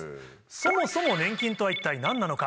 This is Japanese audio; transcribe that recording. そもそも粘菌とは一体何なのか。